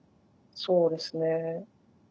そうですね。